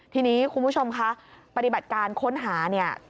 ทีนี้คุณผู้ชมคะปฏิบัติการค้นหาเนี่ย